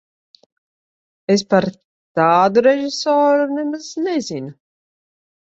Es par tādu režisoru nemaz nezinu.